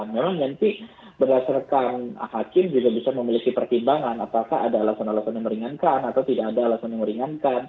memang nanti berdasarkan hakim juga bisa memiliki pertimbangan apakah ada alasan alasan yang meringankan atau tidak ada alasan yang meringankan